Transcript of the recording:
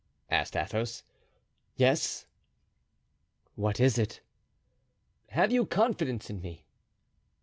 asked Athos. "Yes." "What is it?" "Have you confidence in me?"